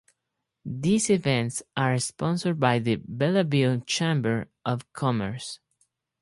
These events are sponsored by the Belleville Chamber of Commerce.